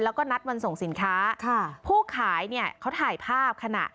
แล้วก็นัดวันส่งสินค้าค่ะผู้ขายเนี่ยเขาถ่ายภาพขณะ